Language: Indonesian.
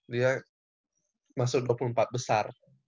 dia masuk dua puluh empat besar